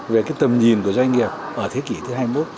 về cái tầm nhìn của doanh nghiệp ở thế kỷ thứ hai mươi một